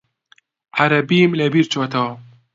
عەرەبیم لەبیر چۆتەوە.